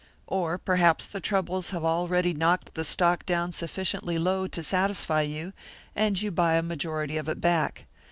Or perhaps the troubles have already knocked the stock down sufficiently low to satisfy you, and you buy a majority of it back.